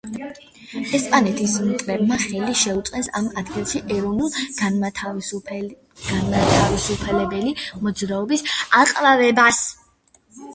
ესპანეთის მტრებმა ხელი შეუწყეს ამ ადგილებში ეროვნულ-განმათავისუფლებელი მოძრაობის აყვავებას.